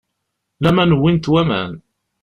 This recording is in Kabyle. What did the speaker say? Laman wwin-t waman.